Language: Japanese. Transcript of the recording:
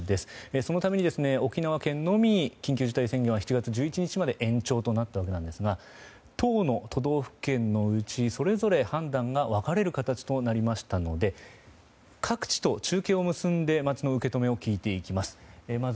そのために、沖縄県のみ緊急事態宣言は７月１１日まで延長となったわけですが１０の都道府県のうちそれぞれ判断が分かれる形となりましたので各地と中継を結んで街の受け止めを聞いていきます。